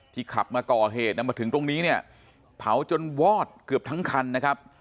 ขับมาก่อเหตุนะมาถึงตรงนี้เนี่ยเผาจนวอดเกือบทั้งคันนะครับ